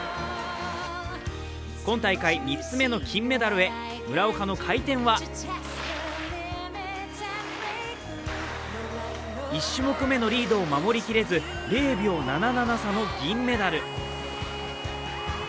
今大会３つ目の金メダルへ、村岡の回転は１種目目のリードを守りきれず０秒７７差の銀メダル。